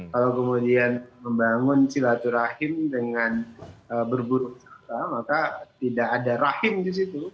kalau kemudian membangun silaturahim dengan berburuk sangka maka tidak ada rahim disitu